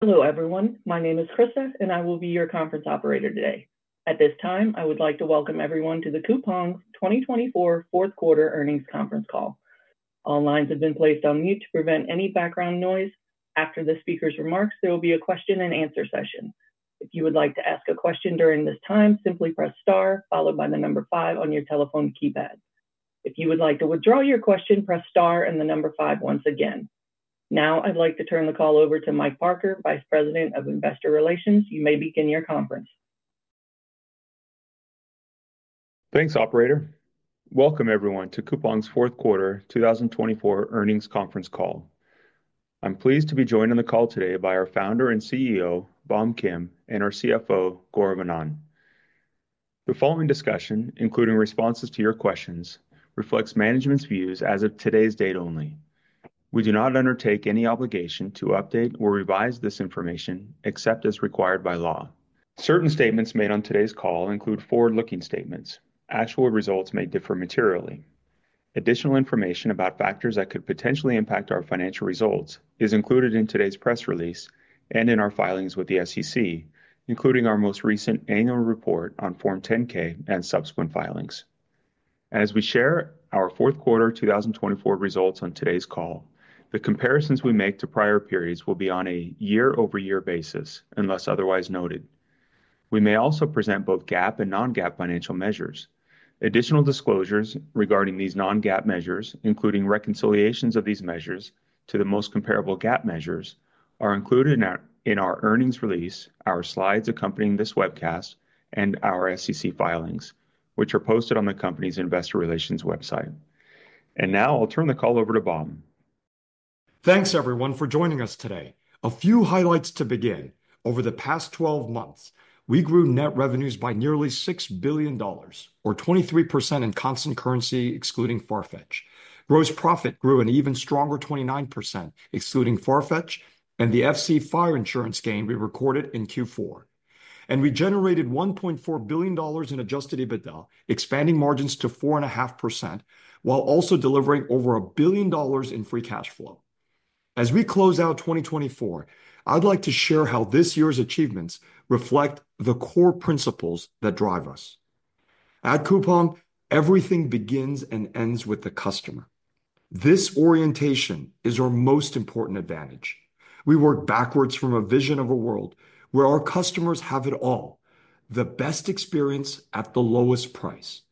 Hello, everyone. My name is Krista, and I will be your conference operator today. At this time, I would like to welcome everyone to Coupang's 2024 fourth quarter earnings conference call. All lines have been placed on mute to prevent any background noise. After the speaker's remarks, there will be a question-and-answer session. If you would like to ask a question during this time, simply press star, followed by the number five on your telephone keypad. If you would like to withdraw your question, press star and the number five once again. Now, I'd like to turn the call over to Mike Parker, Vice President of Investor Relations. You may begin your conference. Thanks, Operator. Welcome, everyone, to Coupang's fourth quarter 2024 earnings conference call. I'm pleased to be joined on the call today by our founder and CEO, Bom Kim, and our CFO, Gaurav Anand. The following discussion, including responses to your questions, reflects management's views as of today's date only. We do not undertake any obligation to update or revise this information except as required by law. Certain statements made on today's call include forward-looking statements. Actual results may differ materially. Additional information about factors that could potentially impact our financial results is included in today's press release and in our filings with the SEC, including our most recent annual report on Form 10-K and subsequent filings. As we share our fourth quarter 2024 results on today's call, the comparisons we make to prior periods will be on a year-over-year basis, unless otherwise noted. We may also present both GAAP and non-GAAP financial measures. Additional disclosures regarding these non-GAAP measures, including reconciliations of these measures to the most comparable GAAP measures, are included in our earnings release, our slides accompanying this webcast, and our SEC filings, which are posted on the company's Investor Relations website. And now, I'll turn the call over to Bom. Thanks, everyone, for joining us today. A few highlights to begin. Over the past 12 months, we grew net revenues by nearly $6 billion, or 23% in constant currency excluding Farfetch. Gross profit grew an even stronger 29% excluding Farfetch, and the FC fire insurance gain we recorded in Q4, and we generated $1.4 billion in Adjusted EBITDA, expanding margins to 4.5% while also delivering over $1 billion in free cash flow. As we close out 2024, I'd like to share how this year's achievements reflect the core principles that drive us. At Coupang, everything begins and ends with the customer. This orientation is our most important advantage. We work backwards from a vision of a world where our customers have it all: the best experience at the lowest price.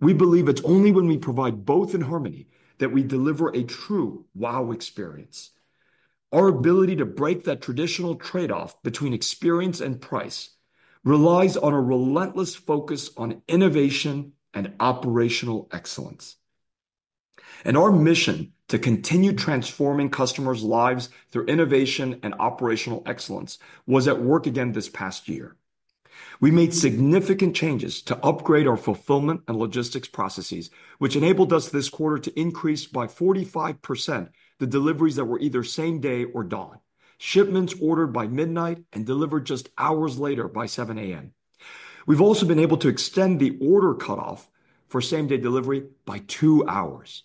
We believe it's only when we provide both in harmony that we deliver a true wow experience. Our ability to break that traditional trade-off between experience and price relies on a relentless focus on innovation and operational excellence. And our mission to continue transforming customers' lives through innovation and operational excellence was at work again this past year. We made significant changes to upgrade our fulfillment and logistics processes, which enabled us this quarter to increase by 45% the deliveries that were either same-day or Dawn, shipments ordered by midnight and delivered just hours later by 7:00 A.M. We've also been able to extend the order cutoff for same-day delivery by two hours.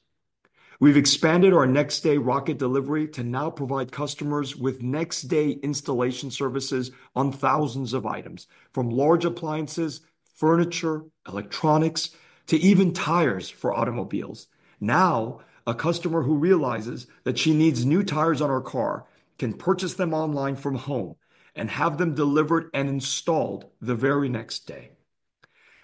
We've expanded our next-day Rocket Delivery to now provide customers with next-day installation services on thousands of items, from large appliances, furniture, electronics, to even tires for automobiles. Now, a customer who realizes that she needs new tires on her car can purchase them online from home and have them delivered and installed the very next day.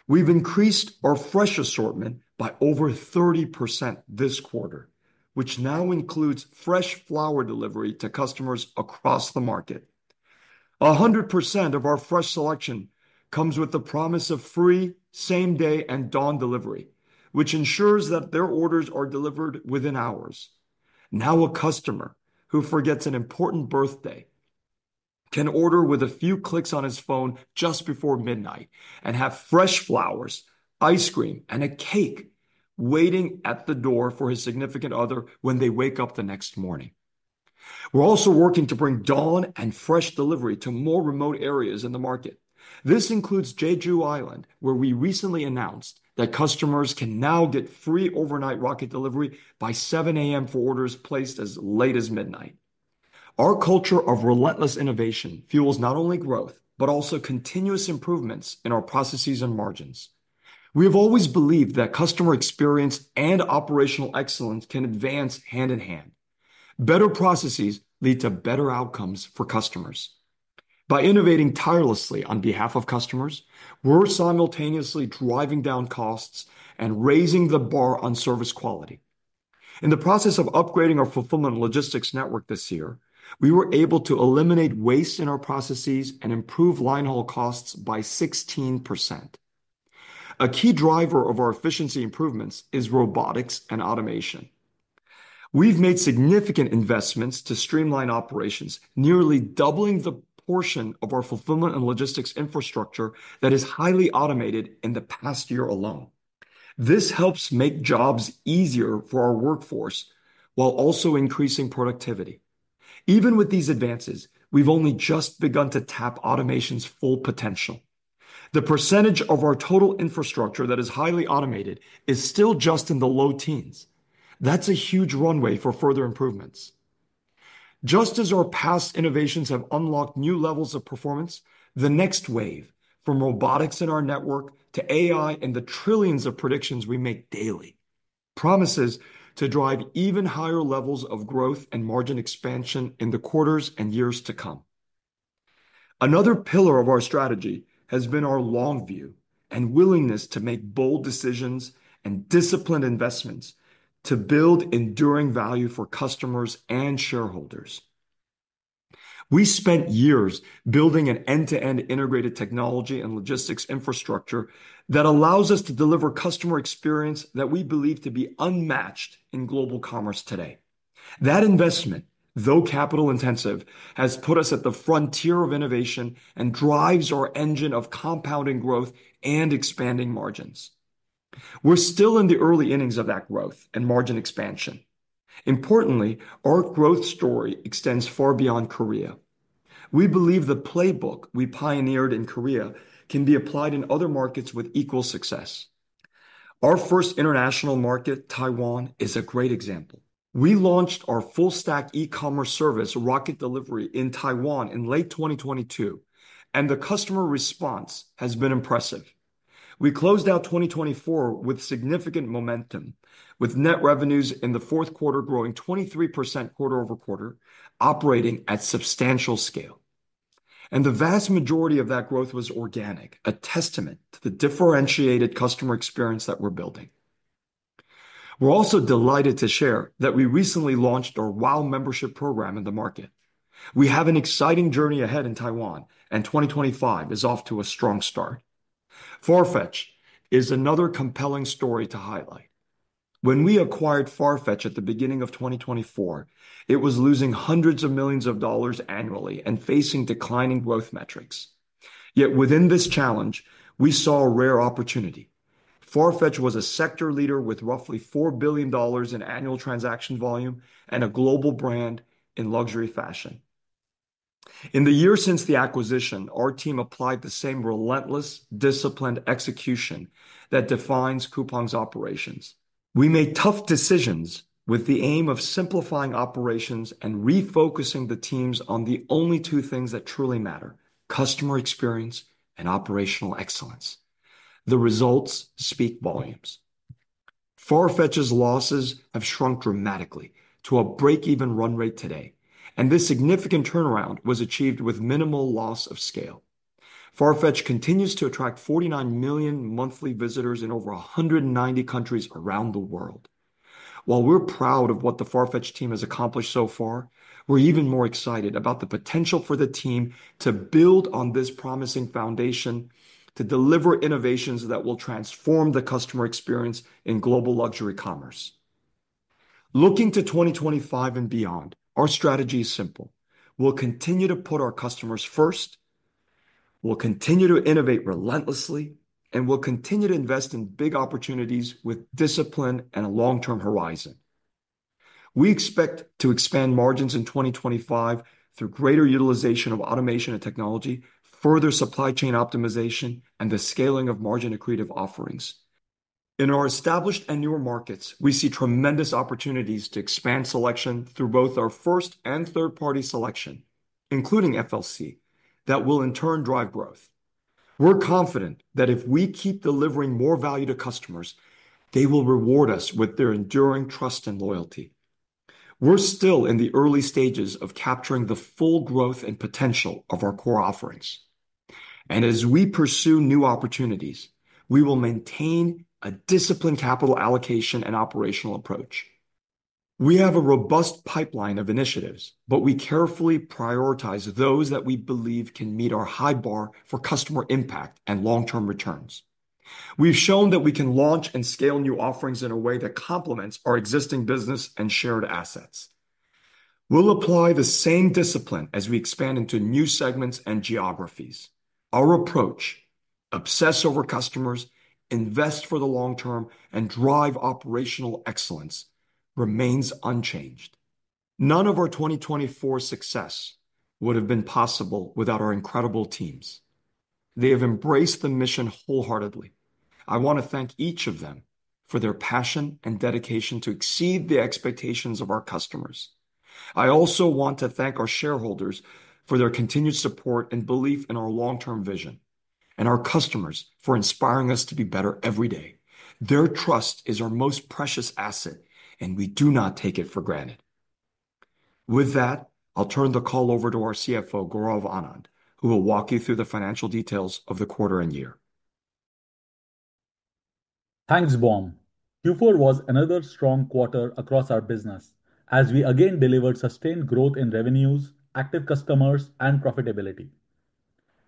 We've increased our fresh assortment by over 30% this quarter, which now includes fresh flower delivery to customers across the market. 100% of our fresh selection comes with the promise of free same-day and Dawn Delivery, which ensures that their orders are delivered within hours. Now, a customer who forgets an important birthday can order with a few clicks on his phone just before midnight and have fresh flowers, ice cream, and a cake waiting at the door for his significant other when they wake up the next morning. We're also working to bring Dawn Delivery and fresh delivery to more remote areas in the market. This includes Jeju Island, where we recently announced that customers can now get free overnight rocket delivery by 7:00 A.M. for orders placed as late as midnight. Our culture of relentless innovation fuels not only growth, but also continuous improvements in our processes and margins. We have always believed that customer experience and operational excellence can advance hand in hand. Better processes lead to better outcomes for customers. By innovating tirelessly on behalf of customers, we're simultaneously driving down costs and raising the bar on service quality. In the process of upgrading our fulfillment and logistics network this year, we were able to eliminate waste in our processes and improve linehaul costs by 16%. A key driver of our efficiency improvements is robotics and automation. We've made significant investments to streamline operations, nearly doubling the portion of our fulfillment and logistics infrastructure that is highly automated in the past year alone. This helps make jobs easier for our workforce while also increasing productivity. Even with these advances, we've only just begun to tap automation's full potential. The percentage of our total infrastructure that is highly automated is still just in the low teens. That's a huge runway for further improvements. Just as our past innovations have unlocked new levels of performance, the next wave from robotics in our network to AI and the trillions of predictions we make daily promises to drive even higher levels of growth and margin expansion in the quarters and years to come. Another pillar of our strategy has been our long view and willingness to make bold decisions and disciplined investments to build enduring value for customers and shareholders. We spent years building an end-to-end integrated technology and logistics infrastructure that allows us to deliver customer experience that we believe to be unmatched in global commerce today. That investment, though capital-intensive, has put us at the frontier of innovation and drives our engine of compounding growth and expanding margins. We're still in the early innings of that growth and margin expansion. Importantly, our growth story extends far beyond Korea. We believe the playbook we pioneered in Korea can be applied in other markets with equal success. Our first international market, Taiwan, is a great example. We launched our full-stack e-commerce service, Rocket Delivery, in Taiwan in late 2022, and the customer response has been impressive. We closed out 2024 with significant momentum, with net revenues in the fourth quarter growing 23% quarter-over-quarter, operating at substantial scale. And the vast majority of that growth was organic, a testament to the differentiated customer experience that we're building. We're also delighted to share that we recently launched our WOW membership program in the market. We have an exciting journey ahead in Taiwan, and 2025 is off to a strong start. Farfetch is another compelling story to highlight. When we acquired Farfetch at the beginning of 2024, it was losing hundreds of millions of dollars annually and facing declining growth metrics. Yet within this challenge, we saw a rare opportunity. Farfetch was a sector leader with roughly $4 billion in annual transaction volume and a global brand in luxury fashion. In the year since the acquisition, our team applied the same relentless, disciplined execution that defines Coupang's operations. We made tough decisions with the aim of simplifying operations and refocusing the teams on the only two things that truly matter: customer experience and operational excellence. The results speak volumes. Farfetch's losses have shrunk dramatically to a break-even run rate today, and this significant turnaround was achieved with minimal loss of scale. Farfetch continues to attract 49 million monthly visitors in over 190 countries around the world. While we're proud of what the Farfetch team has accomplished so far, we're even more excited about the potential for the team to build on this promising foundation to deliver innovations that will transform the customer experience in global luxury commerce. Looking to 2025 and beyond, our strategy is simple. We'll continue to put our customers first. We'll continue to innovate relentlessly, and we'll continue to invest in big opportunities with discipline and a long-term horizon. We expect to expand margins in 2025 through greater utilization of automation and technology, further supply chain optimization, and the scaling of margin-accretive offerings. In our established and newer markets, we see tremendous opportunities to expand selection through both our first and third-party selection, including FLC, that will in turn drive growth. We're confident that if we keep delivering more value to customers, they will reward us with their enduring trust and loyalty. We're still in the early stages of capturing the full growth and potential of our core offerings, and as we pursue new opportunities, we will maintain a disciplined capital allocation and operational approach. We have a robust pipeline of initiatives, but we carefully prioritize those that we believe can meet our high bar for customer impact and long-term returns. We've shown that we can launch and scale new offerings in a way that complements our existing business and shared assets. We'll apply the same discipline as we expand into new segments and geographies. Our approach: obsess over customers, invest for the long term, and drive operational excellence remains unchanged. None of our 2024 success would have been possible without our incredible teams. They have embraced the mission wholeheartedly. I want to thank each of them for their passion and dedication to exceed the expectations of our customers. I also want to thank our shareholders for their continued support and belief in our long-term vision, and our customers for inspiring us to be better every day. Their trust is our most precious asset, and we do not take it for granted. With that, I'll turn the call over to our CFO, Gaurav Anand, who will walk you through the financial details of the quarter and year. Thanks, Bom. Q4 was another strong quarter across our business, as we again delivered sustained growth in revenues, active customers, and profitability.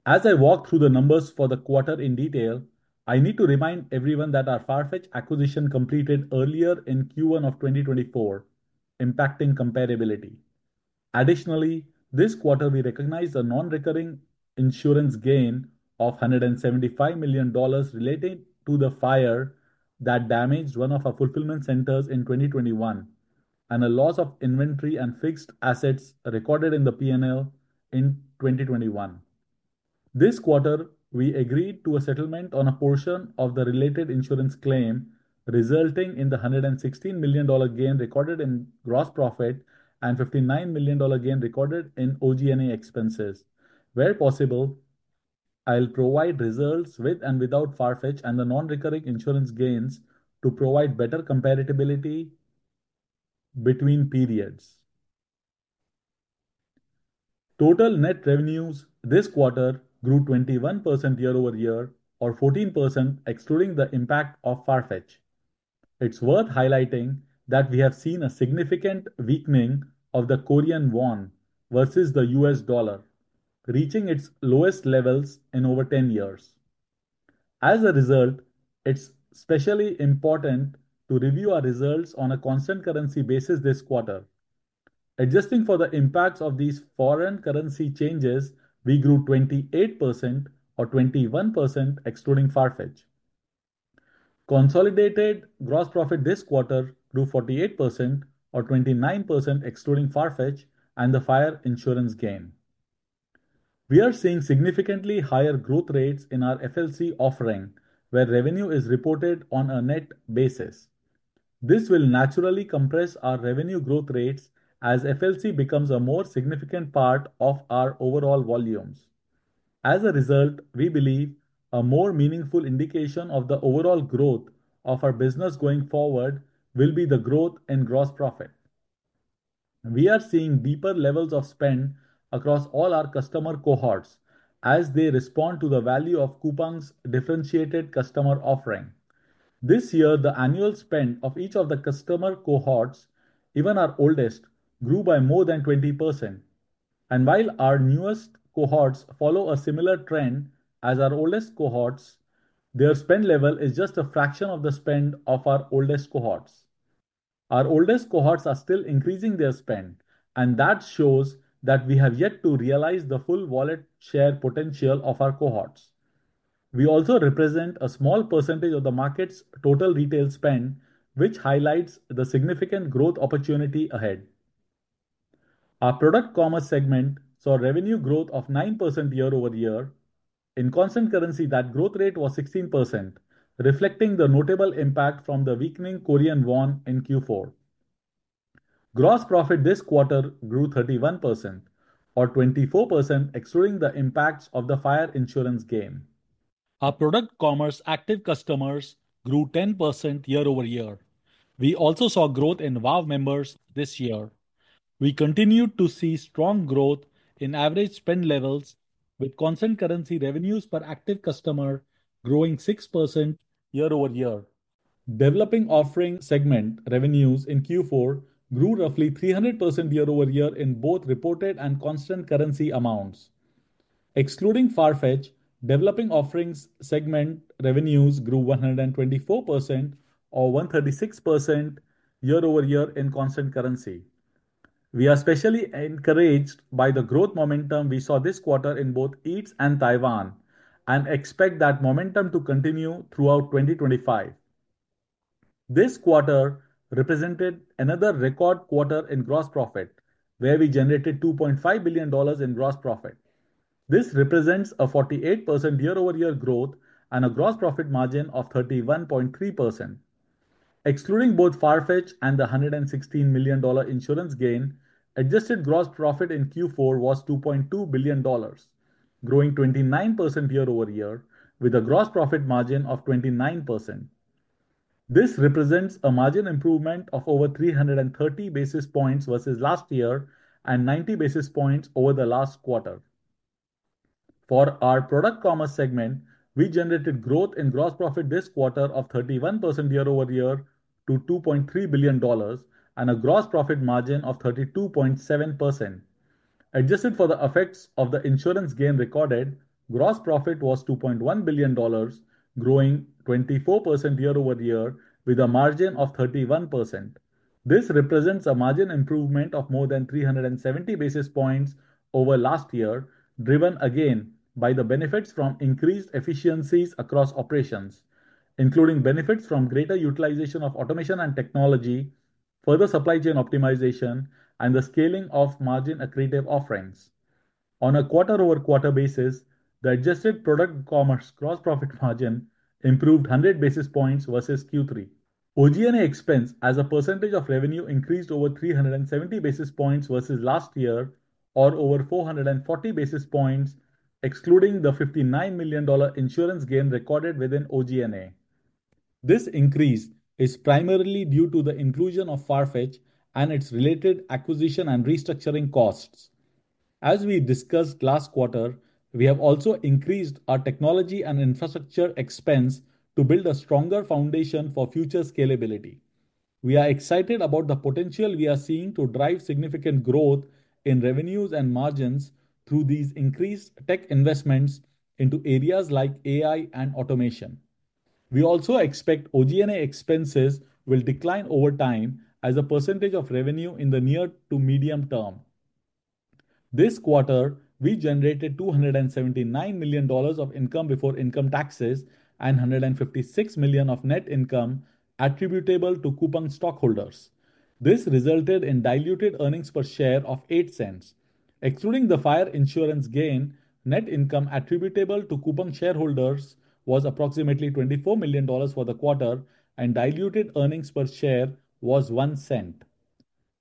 As I walk through the numbers for the quarter in detail, I need to remind everyone that our Farfetch acquisition completed earlier in Q1 of 2024, impacting comparability. Additionally, this quarter, we recognized a non-recurring insurance gain of $175 million related to the fire that damaged one of our fulfillment centers in 2021, and a loss of inventory and fixed assets recorded in the P&L in 2021. This quarter, we agreed to a settlement on a portion of the related insurance claim, resulting in the $116 million gain recorded in gross profit and $59 million gain recorded in OG&A expenses. Where possible, I'll provide results with and without Farfetch and the non-recurring insurance gains to provide better comparability between periods. Total net revenues this quarter grew 21% year-over-year, or 14%, excluding the impact of Farfetch. It's worth highlighting that we have seen a significant weakening of the Korean won versus the U.S. dollar, reaching its lowest levels in over 10 years. As a result, it's especially important to review our results on a constant currency basis this quarter. Adjusting for the impacts of these foreign currency changes, we grew 28%, or 21%, excluding Farfetch. Consolidated gross profit this quarter grew 48%, or 29%, excluding Farfetch and the fire insurance gain. We are seeing significantly higher growth rates in our FLC offering, where revenue is reported on a net basis. This will naturally compress our revenue growth rates as FLC becomes a more significant part of our overall volumes. As a result, we believe a more meaningful indication of the overall growth of our business going forward will be the growth in gross profit. We are seeing deeper levels of spend across all our customer cohorts as they respond to the value of Coupang's differentiated customer offering. This year, the annual spend of each of the customer cohorts, even our oldest, grew by more than 20%. And while our newest cohorts follow a similar trend as our oldest cohorts, their spend level is just a fraction of the spend of our oldest cohorts. Our oldest cohorts are still increasing their spend, and that shows that we have yet to realize the full wallet share potential of our cohorts. We also represent a small percentage of the market's total retail spend, which highlights the significant growth opportunity ahead. Our product commerce segment saw revenue growth of 9% year-over-year. In constant currency, that growth rate was 16%, reflecting the notable impact from the weakening Korean won in Q4. Gross profit this quarter grew 31%, or 24%, excluding the impacts of the fire insurance gain. Our product commerce active customers grew 10% year-over-year. We also saw growth in WOW members this year. We continued to see strong growth in average spend levels, with constant currency revenues per active customer growing 6% year-over-year. Developing offering segment revenues in Q4 grew roughly 300% year-over-year in both reported and constant currency amounts. Excluding Farfetch, developing offerings segment revenues grew 124%, or 136% year-over-year in constant currency. We are especially encouraged by the growth momentum we saw this quarter in both Eats and Taiwan, and expect that momentum to continue throughout 2025. This quarter represented another record quarter in gross profit, where we generated $2.5 billion in gross profit. This represents a 48% year-over-year growth and a gross profit margin of 31.3%. Excluding both Farfetch and the $116 million insurance gain, adjusted gross profit in Q4 was $2.2 billion, growing 29% year-over-year, with a gross profit margin of 29%. This represents a margin improvement of over 330 basis points versus last year and 90 basis points over the last quarter. For our product commerce segment, we generated growth in gross profit this quarter of 31% year-over-year to $2.3 billion and a gross profit margin of 32.7%. Adjusted for the effects of the insurance gain recorded, gross profit was $2.1 billion, growing 24% year-over-year, with a margin of 31%. This represents a margin improvement of more than 370 basis points over last year, driven again by the benefits from increased efficiencies across operations, including benefits from greater utilization of automation and technology, further supply chain optimization, and the scaling of margin-accretive offerings. On a quarter-over-quarter basis, the adjusted product commerce gross profit margin improved 100 basis points versus Q3. OG&A expense, as a percentage of revenue, increased over 370 basis points versus last year, or over 440 basis points, excluding the $59 million insurance gain recorded within OG&A. This increase is primarily due to the inclusion of Farfetch and its related acquisition and restructuring costs. As we discussed last quarter, we have also increased our technology and infrastructure expense to build a stronger foundation for future scalability. We are excited about the potential we are seeing to drive significant growth in revenues and margins through these increased tech investments into areas like AI and automation. We also expect OG&A expenses will decline over time as a percentage of revenue in the near to medium term. This quarter, we generated $279 million of income before income taxes and $156 million of net income attributable to Coupang stockholders. This resulted in diluted earnings per share of $0.08. Excluding the fire insurance gain, net income attributable to Coupang shareholders was approximately $24 million for the quarter, and diluted earnings per share was $0.01.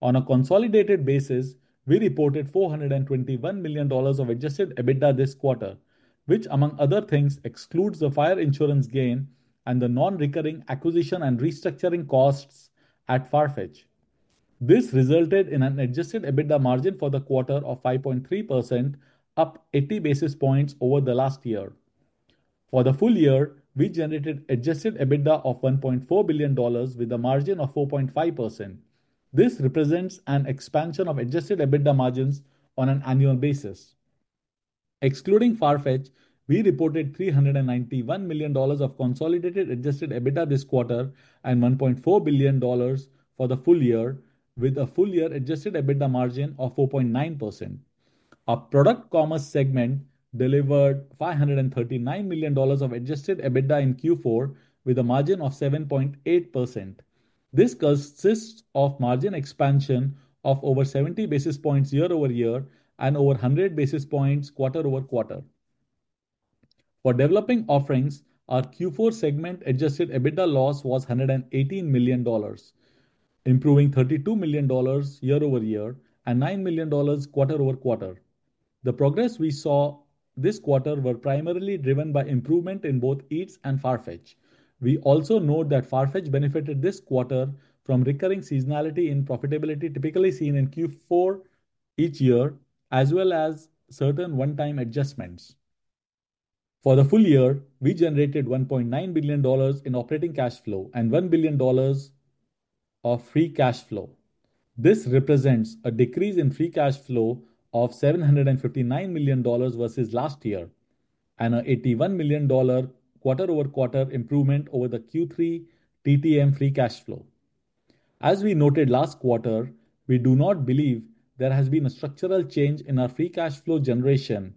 On a consolidated basis, we reported $421 million of Adjusted EBITDA this quarter, which, among other things, excludes the fire insurance gain and the non-recurring acquisition and restructuring costs at Farfetch. This resulted in an Adjusted EBITDA margin for the quarter of 5.3%, up 80 basis points over the last year. For the full year, we generated Adjusted EBITDA of $1.4 billion with a margin of 4.5%. This represents an expansion of Adjusted EBITDA margins on an annual basis. Excluding Farfetch, we reported $391 million of consolidated Adjusted EBITDA this quarter and $1.4 billion for the full year, with a full-year Adjusted EBITDA margin of 4.9%. Our product commerce segment delivered $539 million of Adjusted EBITDA in Q4, with a margin of 7.8%. This consists of margin expansion of over 70 basis points year-over-year and over 100 basis points quarter-over-quarter. For developing offerings, our Q4 segment Adjusted EBITDA loss was $118 million, improving $32 million year-over-year and $9 million quarter-over-quarter. The progress we saw this quarter was primarily driven by improvement in both Eats and Farfetch. We also note that Farfetch benefited this quarter from recurring seasonality in profitability typically seen in Q4 each year, as well as certain one-time adjustments. For the full year, we generated $1.9 billion in operating cash flow and $1 billion of free cash flow. This represents a decrease in free cash flow of $759 million versus last year and an $81 million quarter-over-quarter improvement over the Q3 TTM free cash flow. As we noted last quarter, we do not believe there has been a structural change in our free cash flow generation,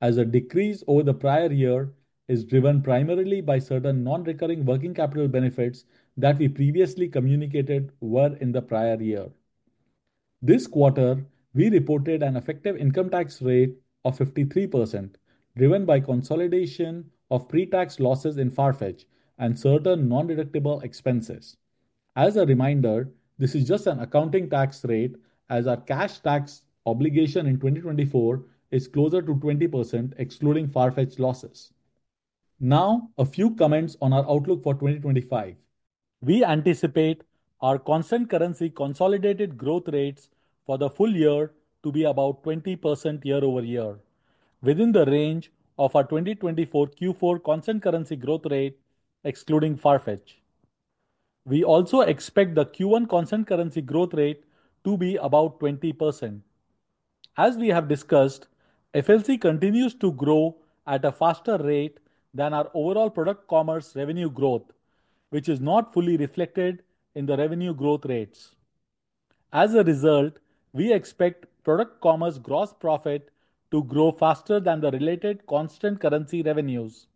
as a decrease over the prior year is driven primarily by certain non-recurring working capital benefits that we previously communicated were in the prior year. This quarter, we reported an effective income tax rate of 53%, driven by consolidation of pre-tax losses in Farfetch and certain non-deductible expenses. As a reminder, this is just an accounting tax rate, as our cash tax obligation in 2024 is closer to 20%, excluding Farfetch losses. Now, a few comments on our outlook for 2025. We anticipate our constant currency consolidated growth rates for the full year to be about 20% year-over-year, within the range of our 2024 Q4 constant currency growth rate, excluding Farfetch. We also expect the Q1 constant currency growth rate to be about 20%. As we have discussed, FLC continues to grow at a faster rate than our overall product commerce revenue growth, which is not fully reflected in the revenue growth rates. As a result, we expect product commerce gross profit to grow faster than the related constant currency revenues,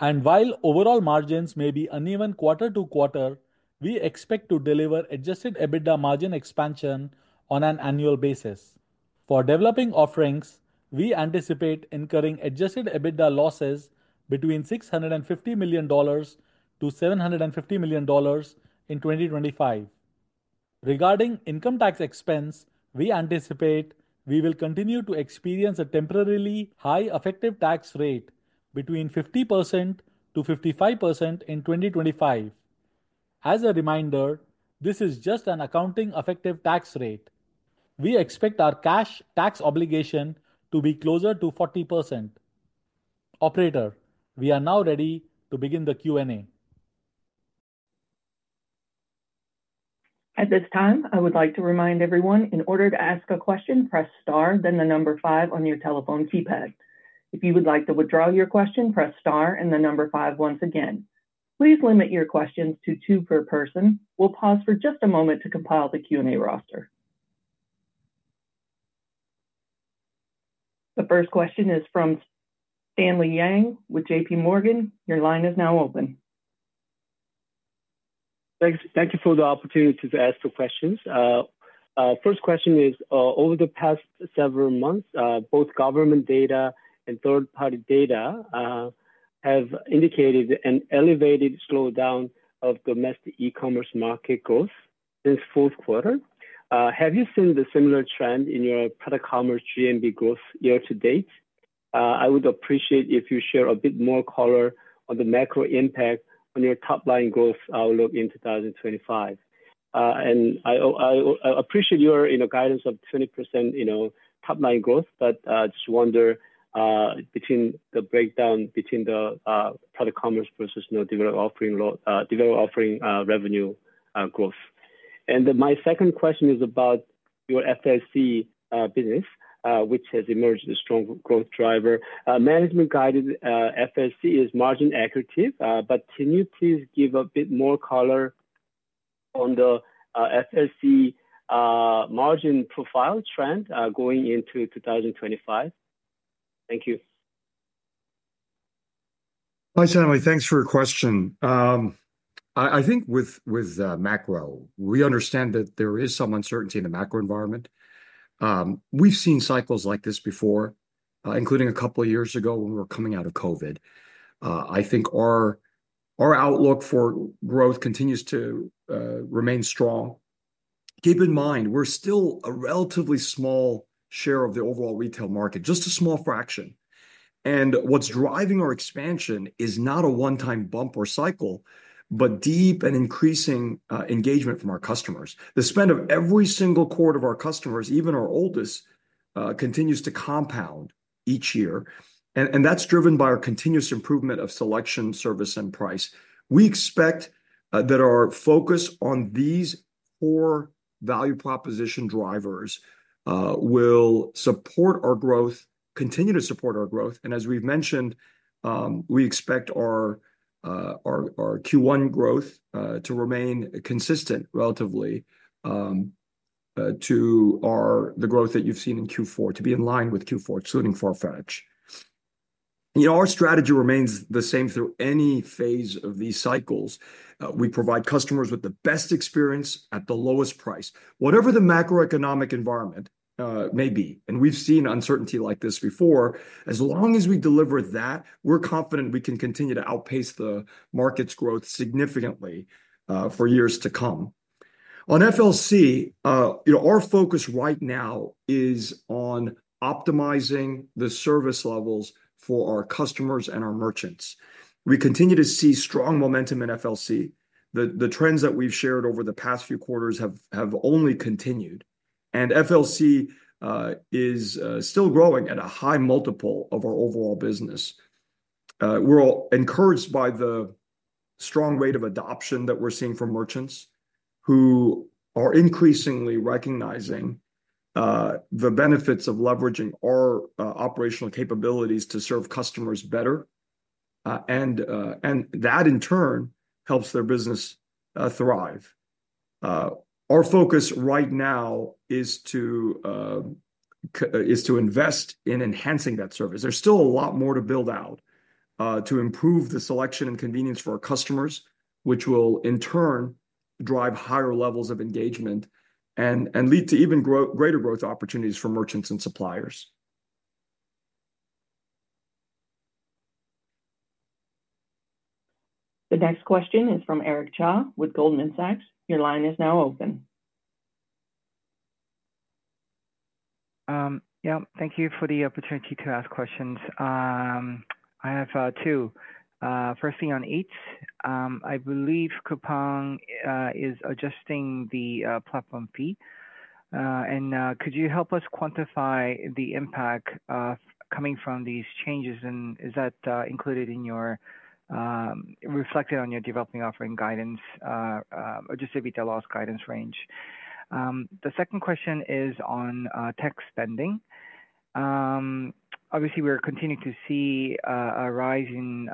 and while overall margins may be uneven quarter-to-quarter, we expect to deliver Adjusted EBITDA margin expansion on an annual basis. For developing offerings, we anticipate incurring Adjusted EBITDA losses between $650 millon-$750 million in 2025. Regarding income tax expense, we anticipate we will continue to experience a temporarily high effective tax rate between 50%-55% in 2025. As a reminder, this is just an accounting effective tax rate. We expect our cash tax obligation to be closer to 40%. Operator, we are now ready to begin the Q&A. At this time, I would like to remind everyone, in order to ask a question, press star, then the number five on your telephone keypad. If you would like to withdraw your question, press star and the number five once again. Please limit your questions to two per person. We'll pause for just a moment to compile the Q&A roster. The first question is from Stanley Yang with JPMorgan. Your line is now open. Thank you for the opportunity to ask the questions. First question is, over the past several months, both government data and third-party data have indicated an elevated slowdown of domestic e-commerce market growth since fourth quarter. Have you seen the similar trend in your product commerce GMV growth year to date? I would appreciate it if you share a bit more color on the macro impact on your top-line growth outlook in 2025. And I appreciate your guidance of 20% top-line growth, but I just wonder about the breakdown between the product commerce versus developing offering revenue growth. And my second question is about your FLC business, which has emerged as a strong growth driver. Management-guided FLC is margin-accretive, but can you please give a bit more color on the FLC margin profile trend going into 2025? Thank you. Hi, Stanley. Thanks for your question. I think with macro, we understand that there is some uncertainty in the macro environment. We've seen cycles like this before, including a couple of years ago when we were coming out of COVID. I think our outlook for growth continues to remain strong. Keep in mind, we're still a relatively small share of the overall retail market, just a small fraction. And what's driving our expansion is not a one-time bump or cycle, but deep and increasing engagement from our customers. The spend of every single quarter of our customers, even our oldest, continues to compound each year. And that's driven by our continuous improvement of selection, service, and price. We expect that our focus on these four value proposition drivers will support our growth, continue to support our growth. As we've mentioned, we expect our Q1 growth to remain consistent relatively to the growth that you've seen in Q4, to be in line with Q4, excluding Farfetch. Our strategy remains the same through any phase of these cycles. We provide customers with the best experience at the lowest price, whatever the macroeconomic environment may be. We've seen uncertainty like this before. As long as we deliver that, we're confident we can continue to outpace the market's growth significantly for years to come. On FLC, our focus right now is on optimizing the service levels for our customers and our merchants. We continue to see strong momentum in FLC. The trends that we've shared over the past few quarters have only continued. FLC is still growing at a high multiple of our overall business. We're encouraged by the strong rate of adoption that we're seeing from merchants who are increasingly recognizing the benefits of leveraging our operational capabilities to serve customers better. And that, in turn, helps their business thrive. Our focus right now is to invest in enhancing that service. There's still a lot more to build out to improve the selection and convenience for our customers, which will, in turn, drive higher levels of engagement and lead to even greater growth opportunities for merchants and suppliers. The next question is from Eric Cha with Goldman Sachs. Your line is now open. Yeah, thank you for the opportunity to ask questions. I have two. Firstly, on Coupang Eats, I believe Coupang is adjusting the platform fee. And could you help us quantify the impact coming from these changes? Is that included in your reflected on your developing offering guidance, Adjusted EBITDA loss guidance range? The second question is on tech spending. Obviously, we're continuing to see a rise in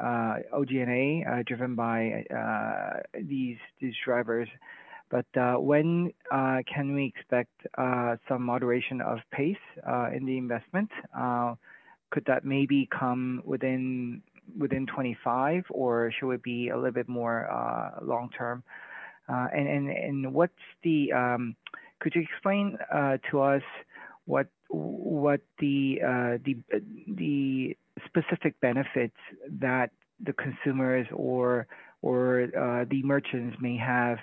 OG&A driven by these drivers. When can we expect some moderation of pace in the investment? Could that maybe come within 2025, or should it be a little bit more long-term? What's the could you explain to us what the specific benefits that the consumers or the merchants may have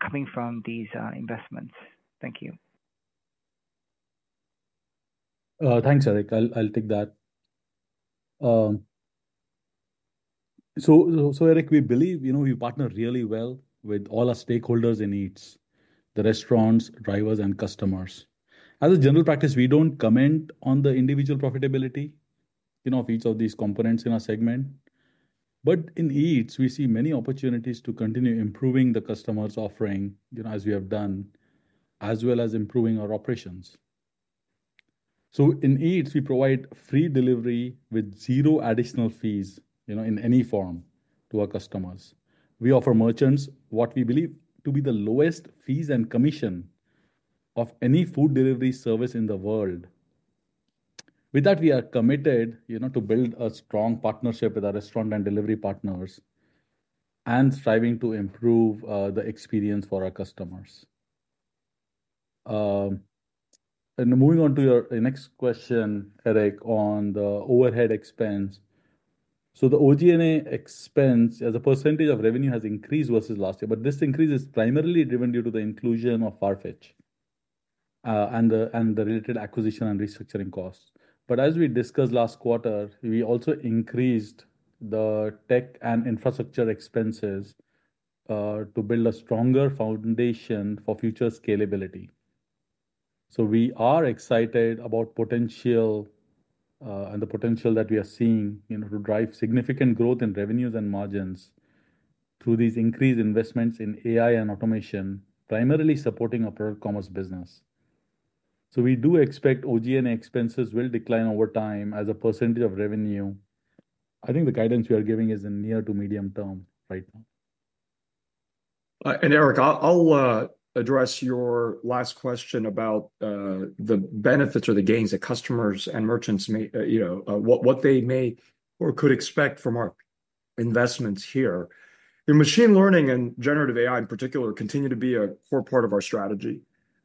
coming from these investments? Thank you. Thanks, Eric. I'll take that. Eric, we believe we partner really well with all our stakeholders in Eats, the restaurants, drivers, and customers. As a general practice, we don't comment on the individual profitability of each of these components in our segment. But in Eats, we see many opportunities to continue improving the customer's offering, as we have done, as well as improving our operations. So, in Eats, we provide free delivery with zero additional fees in any form to our customers. We offer merchants what we believe to be the lowest fees and commission of any food delivery service in the world. With that, we are committed to build a strong partnership with our restaurant and delivery partners and striving to improve the experience for our customers. And moving on to your next question, Eric, on the overhead expense. So, the OG&A expense, as a percentage of revenue, has increased versus last year. But this increase is primarily driven due to the inclusion of Farfetch and the related acquisition and restructuring costs. But as we discussed last quarter, we also increased the tech and infrastructure expenses to build a stronger foundation for future scalability. So, we are excited about the potential that we are seeing to drive significant growth in revenues and margins through these increased investments in AI and automation, primarily supporting our product commerce business. So, we do expect OG&A expenses will decline over time as a percentage of revenue. I think the guidance we are giving is in near to medium term right now. And Eric, I'll address your last question about the benefits or the gains that customers and merchants may what they may or could expect from our investments here. The machine learning and generative AI, in particular, continue to be a core part of our strategy.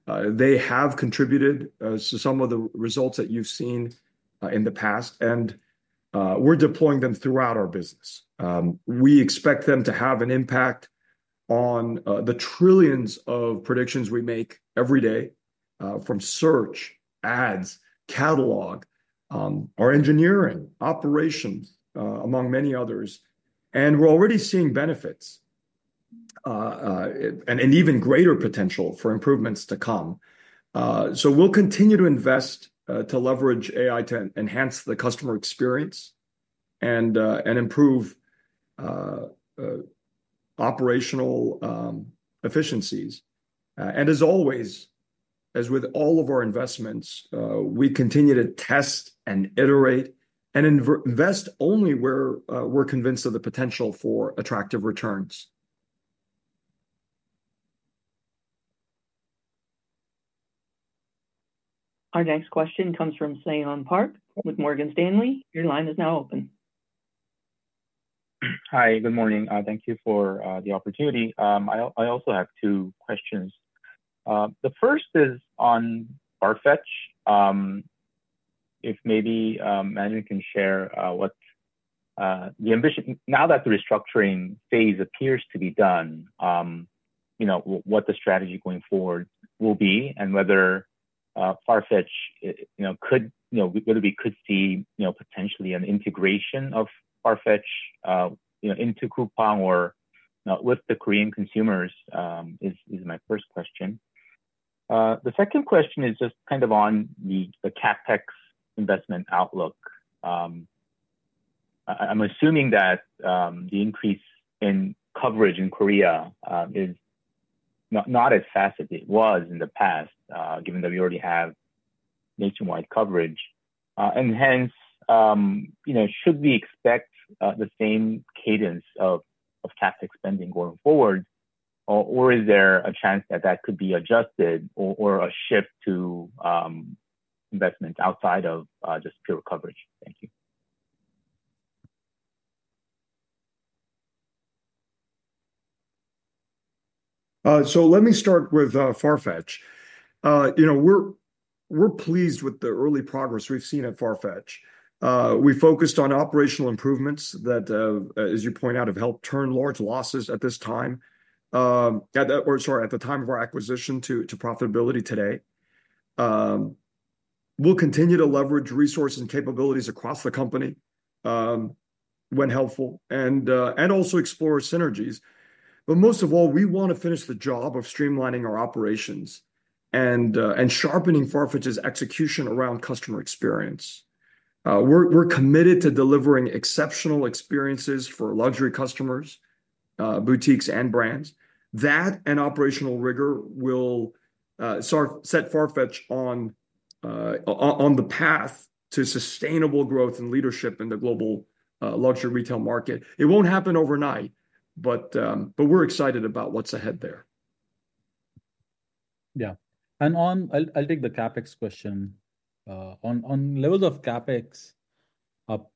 They have contributed to some of the results that you've seen in the past, and we're deploying them throughout our business. We expect them to have an impact on the trillions of predictions we make every day from search, ads, catalog, our engineering, operations, among many others. And we're already seeing benefits and even greater potential for improvements to come. So, we'll continue to invest to leverage AI to enhance the customer experience and improve operational efficiencies. And as always, as with all of our investments, we continue to test and iterate and invest only where we're convinced of the potential for attractive returns. Our next question comes from Seyon Park with Morgan Stanley. Your line is now open. Hi, good morning. Thank you for the opportunity. I also have two questions. The first is on Farfetch. If maybe management can share what the ambition now that the restructuring phase appears to be done, what the strategy going forward will be and whether we could see potentially an integration of Farfetch into Coupang or with the Korean consumers is my first question. The second question is just kind of on the CapEx investment outlook. I'm assuming that the increase in coverage in Korea is not as fast as it was in the past, given that we already have nationwide coverage. And hence, should we expect the same cadence of CapEx spending going forward, or is there a chance that that could be adjusted or a shift to investments outside of just pure coverage? Thank you. So, let me start with Farfetch. We're pleased with the early progress we've seen at Farfetch. We focused on operational improvements that, as you point out, have helped turn large losses at this time or, sorry, at the time of our acquisition to profitability today. We'll continue to leverage resources and capabilities across the company when helpful and also explore synergies. But most of all, we want to finish the job of streamlining our operations and sharpening Farfetch's execution around customer experience. We're committed to delivering exceptional experiences for luxury customers, boutiques, and brands. That and operational rigor will set Farfetch on the path to sustainable growth and leadership in the global luxury retail market. It won't happen overnight, but we're excited about what's ahead there. Yeah, and I'll take the CapEx question. On levels of CapEx,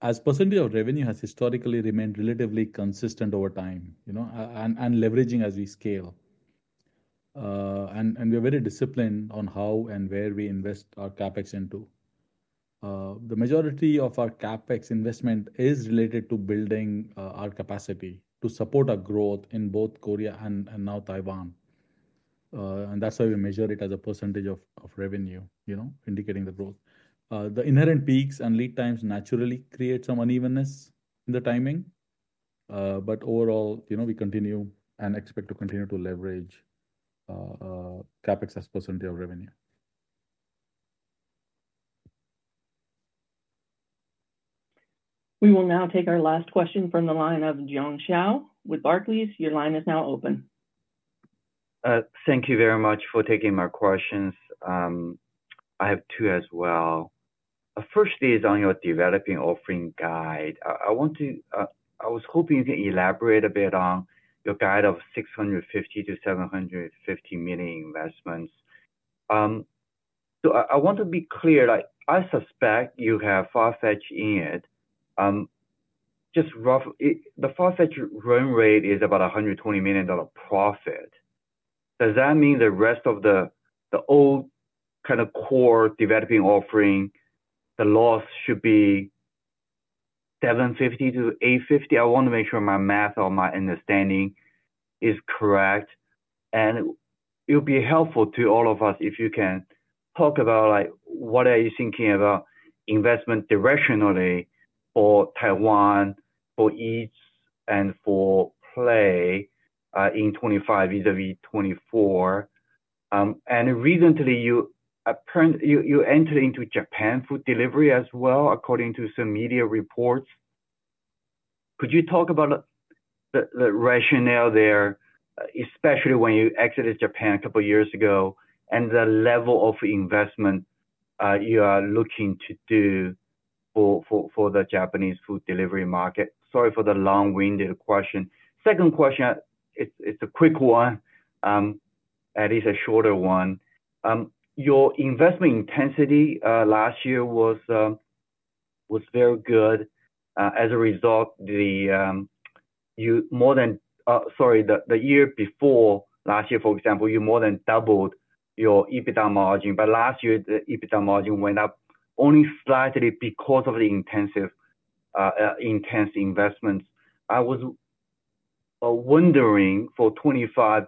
as percentage of revenue has historically remained relatively consistent over time and leveraging as we scale, and we're very disciplined on how and where we invest our CapEx into. The majority of our CapEx investment is related to building our capacity to support our growth in both Korea and now Taiwan. And that's why we measure it as a percentage of revenue, indicating the growth. The inherent peaks and lead times naturally create some unevenness in the timing. But overall, we continue and expect to continue to leverage CapEx as percentage of revenue. We will now take our last question from the line of Jiong Shao with Barclays. Your line is now open. Thank you very much for taking my questions. I have two as well. Firstly is on your developing offering guide. I was hoping you can elaborate a bit on your guide of $650 million-$750 million investments. So I want to be clear. I suspect you have Farfetch in it. Just rough, the Farfetch run rate is about $120 million profit. Does that mean the rest of the old kind of core developing offering, the loss should be 750-850? I want to make sure my math or my understanding is correct. It would be helpful to all of us if you can talk about what are you thinking about investment directionally for Taiwan, for Eats, and for Play in 2025 vis-à-vis 2024. Recently, you entered into Japan food delivery as well, according to some media reports. Could you talk about the rationale there, especially when you exited Japan a couple of years ago, and the level of investment you are looking to do for the Japanese food delivery market? Sorry for the long-winded question. Second question, it's a quick one, at least a shorter one. Your investment intensity last year was very good. As a result, you more than, sorry, the year before last year, for example, you more than doubled your EBITDA margin. But last year, the EBITDA margin went up only slightly because of the intense investments. I was wondering for 2025,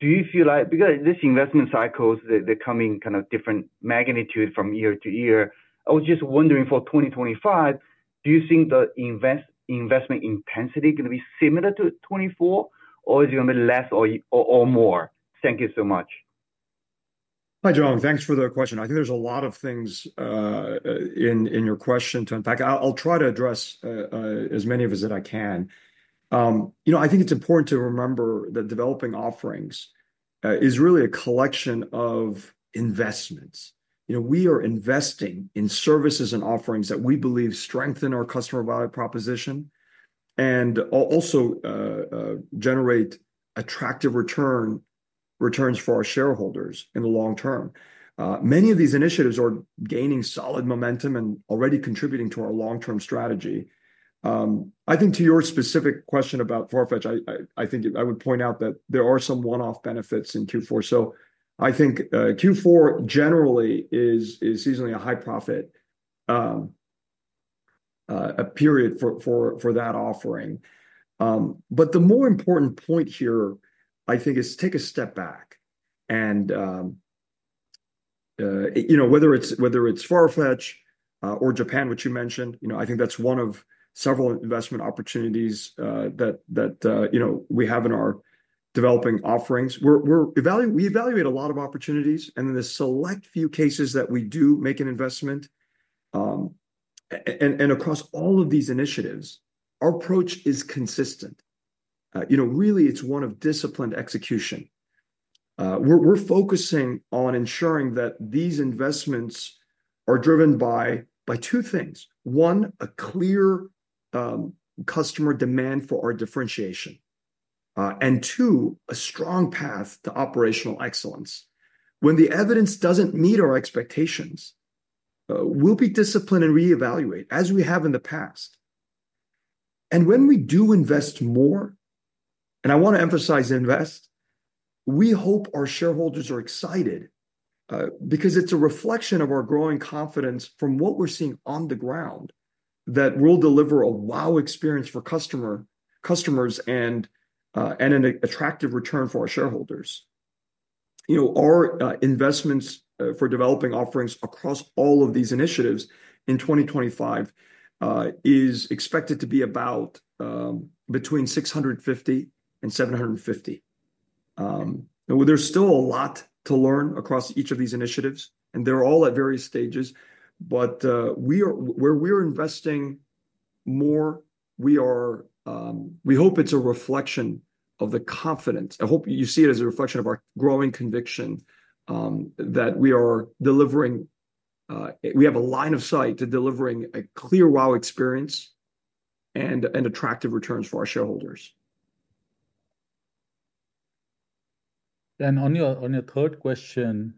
do you feel like because these investment cycles, they come in kind of different magnitude from year to year. I was just wondering for 2025, do you think the investment intensity is going to be similar to 2024, or is it going to be less or more? Thank you so much. Hi, Jiong. Thanks for the question. I think there's a lot of things in your question to unpack. I'll try to address as many as I can. I think it's important to remember that developing offerings is really a collection of investments. We are investing in services and offerings that we believe strengthen our customer value proposition and also generate attractive returns for our shareholders in the long term. Many of these initiatives are gaining solid momentum and already contributing to our long-term strategy. I think to your specific question about Farfetch, I think I would point out that there are some one-off benefits in Q4. So I think Q4 generally is seasonally a high profit period for that offering. But the more important point here, I think, is take a step back. And whether it's Farfetch or Japan, which you mentioned, I think that's one of several investment opportunities that we have in our developing offerings. We evaluate a lot of opportunities, and in the select few cases that we do make an investment. And across all of these initiatives, our approach is consistent. Really, it's one of disciplined execution. We're focusing on ensuring that these investments are driven by two things. One, a clear customer demand for our differentiation, and two, a strong path to operational excellence. When the evidence doesn't meet our expectations, we'll be disciplined and reevaluate as we have in the past, and when we do invest more, and I want to emphasize invest, we hope our shareholders are excited because it's a reflection of our growing confidence from what we're seeing on the ground that we'll deliver a wow experience for customers and an attractive return for our shareholders. Our investments for developing offerings across all of these initiatives in 2025 is expected to be about between 650 and 750. There's still a lot to learn across each of these initiatives, and they're all at various stages, but where we're investing more, we hope it's a reflection of the confidence. I hope you see it as a reflection of our growing conviction that we have a line of sight to delivering a clear wow experience and attractive returns for our shareholders. And on your third question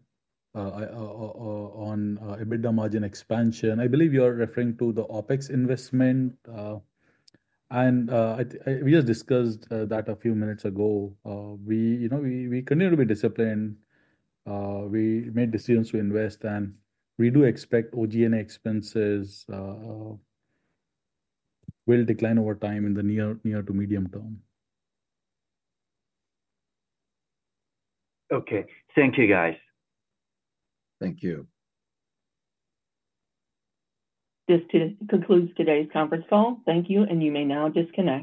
on EBITDA margin expansion, I believe you're referring to the OPEX investment. And we just discussed that a few minutes ago. We continue to be disciplined. We made decisions to invest, and we do expect OG&A expenses will decline over time in the near to medium term. Okay. Thank you, guys. Thank you. This concludes today's conference call. Thank you, and you may now disconnect.